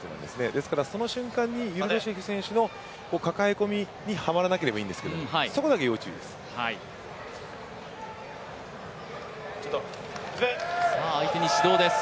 ですからその瞬間にユルドシェフ選手の抱え込みにはまらなければいいんですが、相手に指導です。